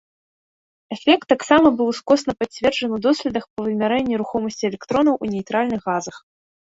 Эфект таксама быў ускосна пацверджан у доследах па вымярэнні рухомасці электронаў у нейтральных газах.